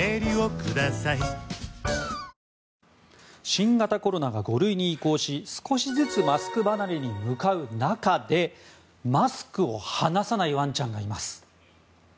新型コロナが５類に移行し少しずつマスク離れに向かう中でマスクを放さないワンちゃんがいます。